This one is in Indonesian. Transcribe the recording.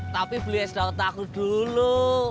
tapi beli es daun takut dulu